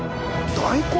大根！？